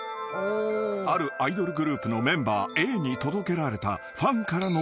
［あるアイドルグループのメンバーＡに届けられた］